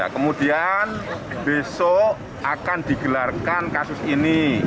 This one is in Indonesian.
kemudian besok akan digelarkan kasus ini